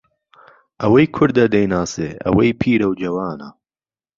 ئەوەی کوردە دەیناسێ ئەوەی پیرەو جەوانە